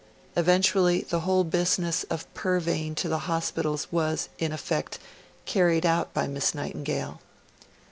Eventually the whole business of purveying to the hospitals was, in effect, carried out by Miss Nightingale.